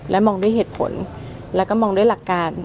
มองด้วยเหตุผลและก็มองด้วยหลักการ